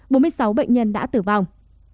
bốn mươi sáu bệnh nhân đã tử vong